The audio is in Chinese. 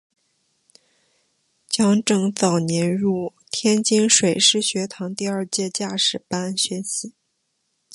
蒋拯早年入天津水师学堂第二届驾驶班学习。